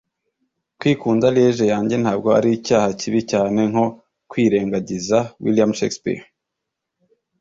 kwikunda, liege yanjye, ntabwo ari icyaha kibi cyane, nko kwirengagiza - william shakespeare